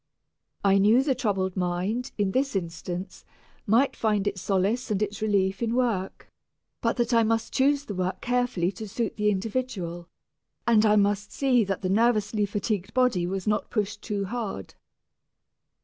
I knew the troubled mind, in this instance, might find its solace and its relief in work, but that I must choose the work carefully to suit the individual, and I must see that the nervously fatigued body was not pushed too hard.